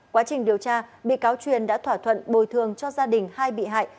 quá trình điều tra bị cáo truyền đã thỏa thuận bồi thường cho gia đình hai bị hại